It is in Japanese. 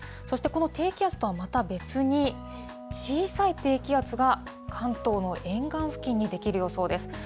そしてこの低気圧とはまた別に、小さい低気圧が関東の沿岸付近に出来る予想です。